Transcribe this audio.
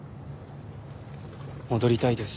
戻りたいです